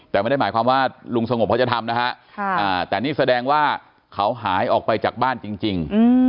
แต่ไม่ได้หมายความว่าลุงสงบเขาจะทำนะฮะแต่นี่แสดงว่าเขาหายออกไปจากบ้านจริง